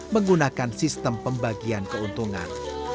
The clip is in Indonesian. menggunakan sistem pembagian keuntungan